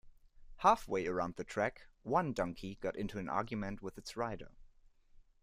Halfway around the track one donkey got into an argument with its rider.